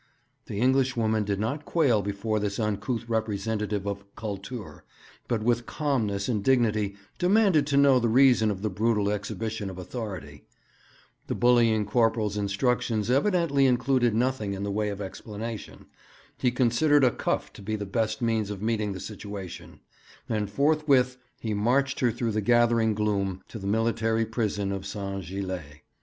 The Englishwoman did not quail before this uncouth representative of 'Kultur,' but with calmness and dignity demanded to know the reason of the brutal exhibition of authority. The bullying corporal's instructions evidently included nothing in the way of explanation. He considered a cuff to be the best means of meeting the situation; and forthwith he marched her through the gathering gloom to the military prison of St. Gilles.